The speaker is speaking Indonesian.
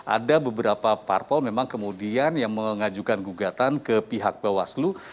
ada beberapa parpol memang kemudian yang mengajukan gugatan ke pihak bawaslu